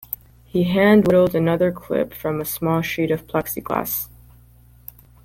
He hand-whittled another clip from a small sheet of Plexiglas.